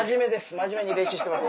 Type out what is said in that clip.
真面目に霊視してます。